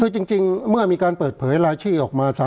คือจริงเมื่อมีการเปิดเผยรายชื่อออกมา